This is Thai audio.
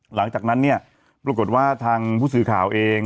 หลังจากนั้นเนี่ยปรากฏว่าทางผู้สื่อข่าวเอง